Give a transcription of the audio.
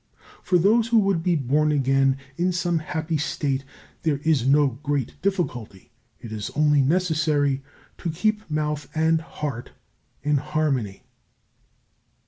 For those who would be born again in some happy state there is no great difficulty; It is only necessary to keep mouth and heart in harmony."